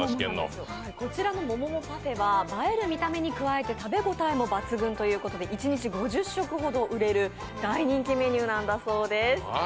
こちらのもももパフェは映える見た目に加えて食べ応えも抜群ということで、一日５０食ほど売れる大人気メニューなんだそうです。